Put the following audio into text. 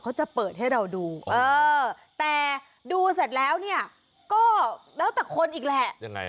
เขาจะเปิดให้เราดูเออแต่ดูเสร็จแล้วเนี่ยก็แล้วแต่คนอีกแหละยังไง